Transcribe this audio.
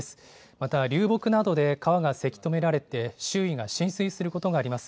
また、流木などで川がせき止められて、周囲が浸水することがあります。